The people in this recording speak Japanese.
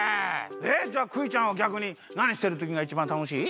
えっじゃあクイちゃんはぎゃくになにしてるときがいちばんたのしい？